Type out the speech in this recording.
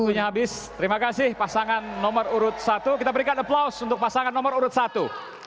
waktunya habis terima kasih pasangan nomor urut satu kita berikan aplaus untuk pasangan nomor urut satu